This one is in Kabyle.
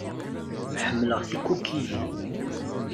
Ḥemmleɣ tikukiyin.